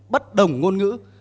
bất đồng ngôn ngữ